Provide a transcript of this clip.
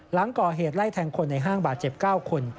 หลังก่อเหตุไล่แทงคนในห้างบาดเจ็บ๙คน